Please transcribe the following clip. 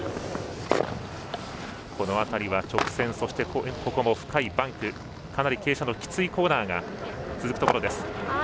直線、そして深いバンクかなり傾斜のきついコーナーが続くところです。